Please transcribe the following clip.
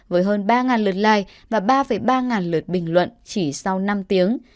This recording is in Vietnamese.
với hơn ba lượt like và ba ba lượt bình luận chỉ sau năm tiếng